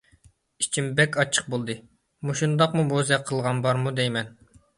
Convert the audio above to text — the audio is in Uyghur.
ئىچىم بەك ئاچچىق بولدى. مۇشۇنداقمۇ بوزەك بولغان بارمۇ دەيمەن.